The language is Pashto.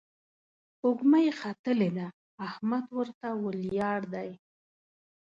سپوږمۍ ختلې ده، احمد ورته ولياړ دی